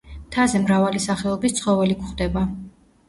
მთაზე მრავალი სახეობის ცხოველი გვხვდება.